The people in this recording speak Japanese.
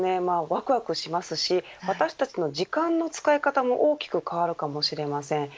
わくわくしますし私たちの時間の使い方も大きく変わるかもしれません。